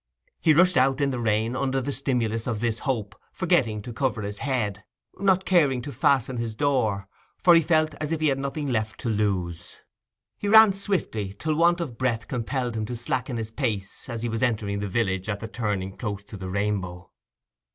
He rushed out in the rain, under the stimulus of this hope, forgetting to cover his head, not caring to fasten his door; for he felt as if he had nothing left to lose. He ran swiftly, till want of breath compelled him to slacken his pace as he was entering the village at the turning close to the Rainbow.